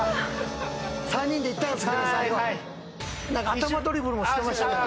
頭ドリブルもしてましたね。